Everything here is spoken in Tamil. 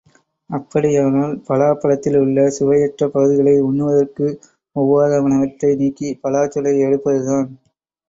அப்படியானால், பலாப்பழத்தில் உள்ள சுவையற்ற பகுதிகளை உண்ணுதற்கு ஒவ்வாதனவற்றை நீக்கிப் பலாச் சுளையை எடுப்பதுதான்.